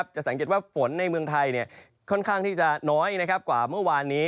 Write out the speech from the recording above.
จะสังเกตว่าฝนในเมืองไทยค่อนข้างที่จะน้อยกว่าเมื่อวานนี้